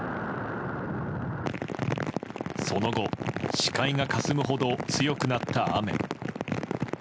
その後、視界がかすむほど強くなった雨。